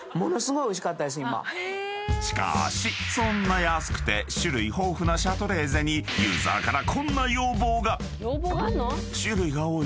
［しかしそんな安くて種類豊富なシャトレーゼにユーザーから］